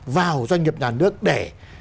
vào doanh nghiệp nhà nước để